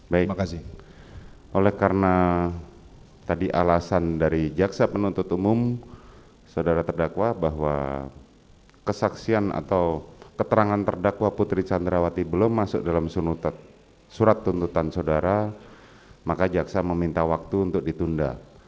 baik oleh karena tadi alasan dari jaksa penuntut umum saudara terdakwa bahwa kesaksian atau keterangan terdakwa putri candrawati belum masuk dalam surat tuntutan saudara maka jaksa meminta waktu untuk ditunda